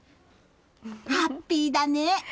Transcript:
ハッピーだね！